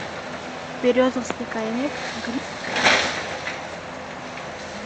Березовский кайымек, Гриша ятыр жап кудывечыште шинчыш.